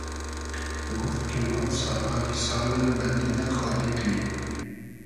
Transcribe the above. گوفت کی ما سالای سالۂ بئندی دۂ خانې تو ییم